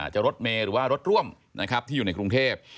จะรถเมย์หรือว่ารถร่วมนะครับที่อยู่ในกรุงเทพ